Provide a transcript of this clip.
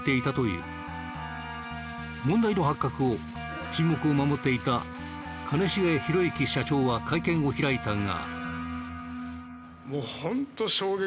問題の発覚後沈黙を守っていた兼重宏行社長は会見を開いたが。